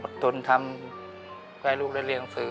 อดทนทำให้ลูกได้เรียงสือ